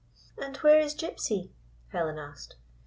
"And where is Gypsy?" Helen asked.